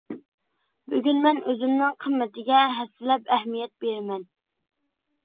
بۈگۈن مەن ئۆزۈمنىڭ قىممىتىگە ھەسسىلەپ ئەھمىيەت بىرىمەن.